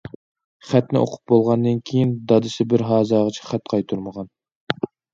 خەتنى ئوقۇپ بولغاندىن كېيىن دادىسى بىر ھازاغىچە خەت قايتۇرمىغان.